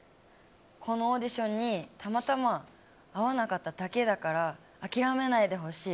このオーディションにたまたま合わなかっただけだから、諦めないでほしい。